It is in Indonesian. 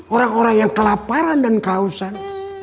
orang orang yang kelaparan dan kausan